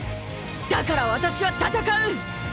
だから私は戦う！